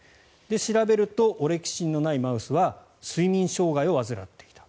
調べるとオレキシンのないマウスは睡眠障害を患っていた。